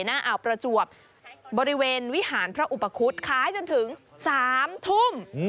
หน้าอ่าวประจวบบริเวณวิหารพระอุปคุฎขายจนถึง๓ทุ่ม